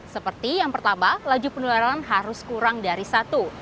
seperti yang pertama laju penularan harus kurang dari satu